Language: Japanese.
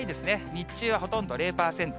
日中はほとんど０％。